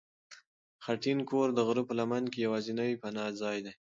خټین کور د غره په لمن کې یوازینی پناه ځای دی.